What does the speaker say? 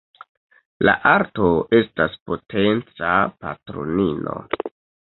La Arto estas potenca patronino.